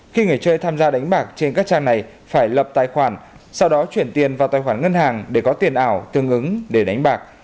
khi người chơi tham gia đánh bạc trên các trang này phải lập tài khoản sau đó chuyển tiền vào tài khoản ngân hàng để có tiền ảo tương ứng để đánh bạc